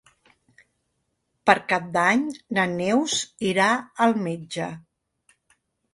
Per Cap d'Any na Neus irà al metge.